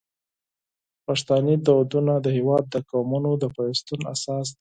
پښتني دودونه د هیواد د قومونو د پیوستون اساس دی.